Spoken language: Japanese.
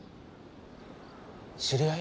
知り合い？